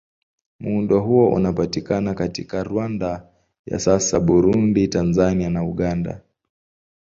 Muundo huo unapatikana katika Rwanda ya sasa, Burundi, Tanzania na Uganda.